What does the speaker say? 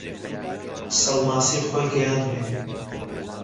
سەڵماسی خۆی گەیاندمێ